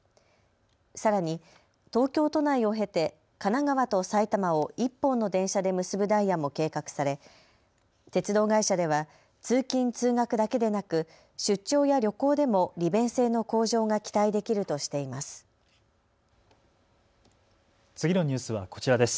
さらに東京都内を経て神奈川と埼玉を１本の電車で結ぶダイヤも計画され鉄道会社では通勤通学だけでなく出張や旅行でも利便性の向上が期待できるとしています。